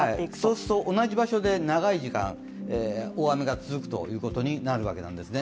そうすると、同じ場所で長い時間大雨が続くということになるわけなんですね。